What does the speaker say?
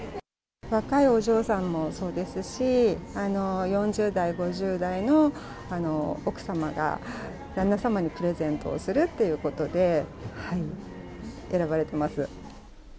若いお嬢さんもそうですし、４０代、５０代の奥様が旦那様にプレゼントをするっていうことで、選ばれてます。